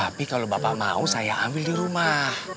tapi kalau bapak mau saya ambil di rumah